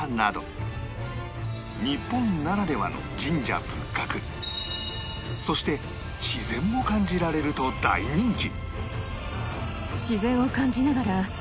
日本ならではの神社仏閣そして自然を感じられると大人気